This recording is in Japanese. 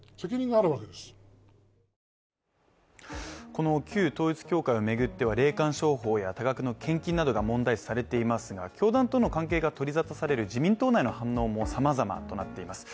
この旧統一教会を巡っては霊感商法や多額の献金などが問題視されていますが教団との関係が取り沙汰される自民党内の反応もさまざまなです。